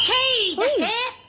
出して。